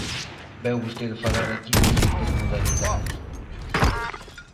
Veu vostede falar aquí de intermodalidade.